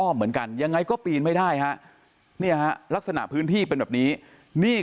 เหมือนกันยังไงก็ปีนไม่ได้ฮะเนี่ยฮะลักษณะพื้นที่เป็นแบบนี้นี่